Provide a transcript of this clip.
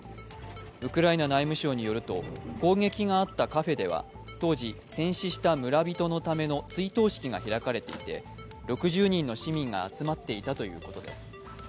ウクライナ内務省によると攻撃があったカフェでは当時、戦死した村人のための追悼式が開かれていて６０人の市民が集まっていたということです。